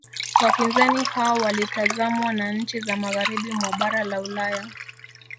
Wapinzani hao walitazamwa na nchi za magharibi mwa bara la Ulaya